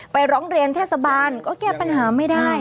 ร้องเรียนเทศบาลก็แก้ปัญหาไม่ได้